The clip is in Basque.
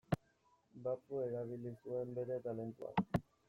Bapo erabili zuen bere talentua.